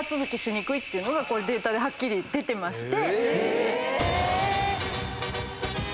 ていうのがデータではっきり出てまして。